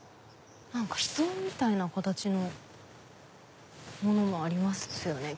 人みたいな形のものもありますよね。